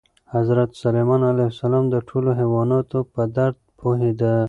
حضرت سلیمان علیه السلام د ټولو حیواناتو په درد پوهېده.